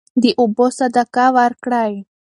د اوبو صدقه ورکړئ.